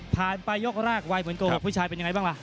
ไปยกแรกวัยเหมือนโกหกผู้ชายเป็นยังไงบ้างล่ะ